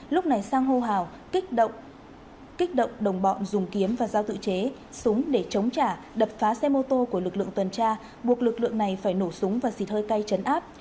lúc này sang hô hào kích động kích động đồng bọn dùng kiếm và giao tự chế súng để chống trả đập phá xe mô tô của lực lượng tuần tra buộc lực lượng này phải nổ súng và xịt hơi cay chấn áp